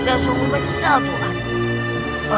saya suruh berisau tuan